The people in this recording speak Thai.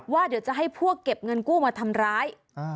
เดี๋ยวจะให้พวกเก็บเงินกู้มาทำร้าย